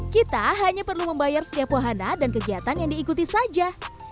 kita hanya perlu membayar setiap wahana dan kegiatan yang diikuti saja